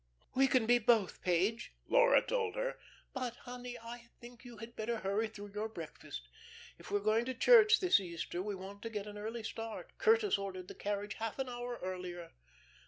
"We can be both, Page," Laura told her. "But, honey, I think you had better hurry through your breakfast. If we are going to church this Easter, we want to get an early start. Curtis ordered the carriage half an hour earlier."